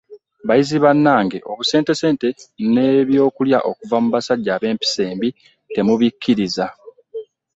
Bayizi bannange obusentesente n’ebyokulya okuva mu basajja ab’empisa embi temubikkiriza.